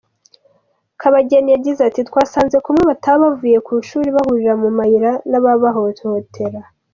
Kabageni yagize ati “Twasanze kumwe bataha bavuye ku ishuri bahurira mu mayira n’ababahohotera.